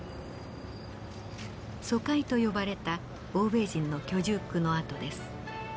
租界と呼ばれた欧米人の居住区の跡です。